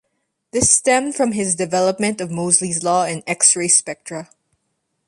This stemmed from his development of Moseley's law in X-ray spectra.